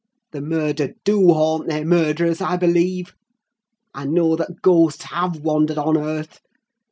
The murdered do haunt their murderers, I believe. I know that ghosts have wandered on earth.